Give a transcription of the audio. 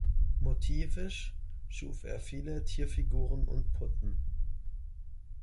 Motivisch schuf er viele Tierfiguren und Putten.